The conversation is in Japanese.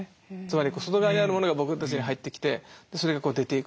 つまり外側にあるものが僕たちに入ってきてそれが出ていく。